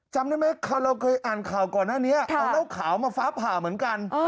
จำได้ไหมเราเคยอ่านข่าวก่อนหน้านี้เอาเหล้าขาวมาฟ้าผ่าเหมือนกัน